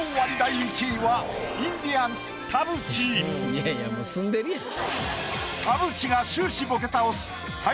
いやいやもう住んでるやん。